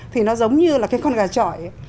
thì nó giống như là cái con gà chọi ấy